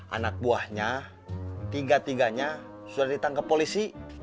anak buahnya tiga tiganya sudah ditangkap polisi